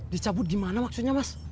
dicabut gimana maksudnya mas